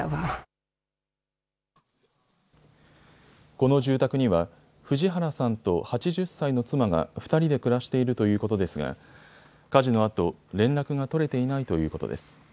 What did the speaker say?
この住宅には藤原さんと８０歳の妻が２人で暮らしているということですが火事のあと連絡が取れていないということです。